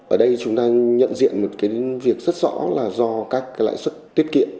ở đây chúng ta nhận diện một cái việc rất rõ là do các lãi xuất tiết kiệm